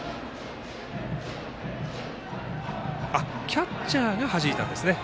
キャッチャーがはじいたんですね。